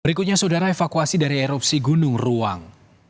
berikutnya saudara evakuasi dari erupsi gunung ruang